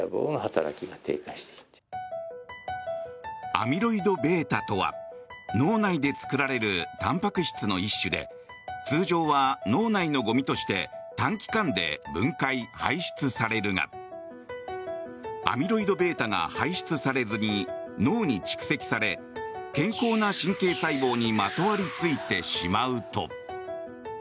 アミロイドβとは脳内で作られるたんぱく質の一種で通常は脳内のゴミとして短期間で分解・排出されるがアミロイドβが排出されずに脳に蓄積され健康な神経細胞にまとわりついてしまうと。